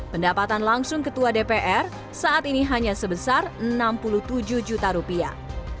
pendapatan langsung ketua dpr saat ini hanya sebesar enam puluh tujuh juta rupiah